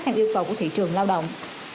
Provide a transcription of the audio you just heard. theo yêu cầu của thị trường lao động